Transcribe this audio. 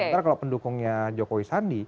nanti kalau pendukungnya jokowi sandi